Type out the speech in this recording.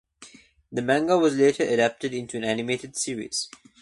The manga was later adapted into an animated series.